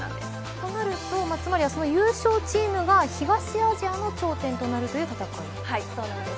となると、その優勝チームが東アジアの頂点となるそうなんです。